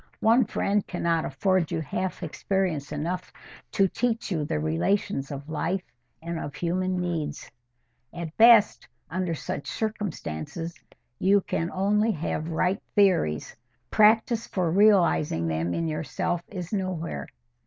One friend cannot afford you half experience enough to teach you the relations of life and of human needs. At best, under such circumstances, you can only have right theories: practice for realising them in yourself is nowhere.